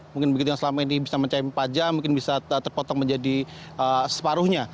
mungkin begitu yang selama ini bisa mencapai empat jam mungkin bisa terpotong menjadi separuhnya